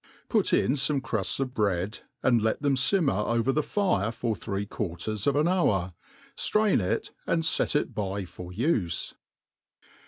Put in foine crufts of bread, and let them fimmer over the>fire for three Quarters of an hour. Strain it, and fet it by for ufe.